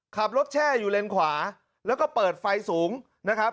แช่อยู่เลนขวาแล้วก็เปิดไฟสูงนะครับ